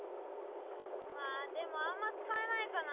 まあでもあんま使えないかな。